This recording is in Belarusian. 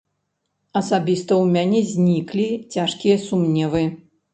Асабіста ў мяне зніклі цяжкія сумневы.